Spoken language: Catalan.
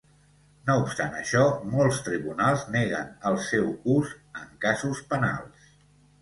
No obstant això, molts tribunals neguen el seu ús en casos penals.